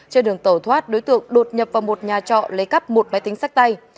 trên đường tàu thoát đối tượng đột nhập vào một nhà trọ lấy cắp một máy tính sách tay